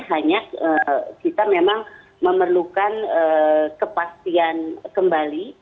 hanya kita memang memerlukan kepastian kembali